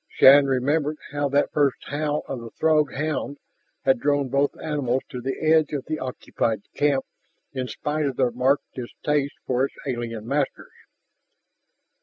Shann remembered how that first howl of the Throg hound had drawn both animals to the edge of the occupied camp in spite of their marked distaste for its alien masters.